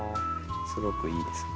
すごくいいです。